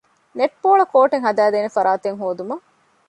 ނެޓްބޯޅަކޯޓެއް ހަދައިދޭނެ ފަރާތެއް ހޯދުމަށް